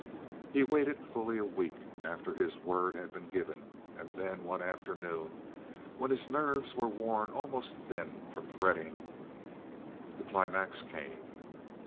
He waited fully a week after his word had been given; and then, one afternoon, when his nerves were worn almost thin from fretting, the climax came.